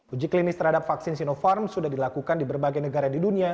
uji klinis terhadap vaksin sinopharm sudah dilakukan di berbagai negara di dunia